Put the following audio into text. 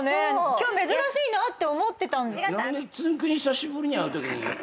今日珍しいなって思ってたんです。